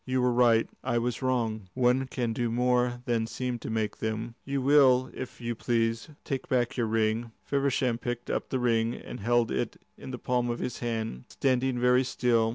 You were right; I was wrong. One can do more than seem to make them. Will you, if you please, take back your ring?" Feversham picked up the ring and held it in the palm of his hand, standing very still.